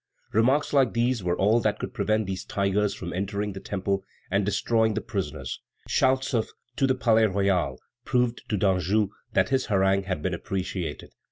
Remarks like these were all that could prevent these tigers from entering the Temple and destroying the prisoners. Shouts of "To the Palais Royal!" proved to Danjou that his harangue had been appreciated.